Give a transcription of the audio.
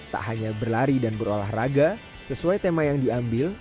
tak hanya berlari dan berolahraga sesuai tema yang diambil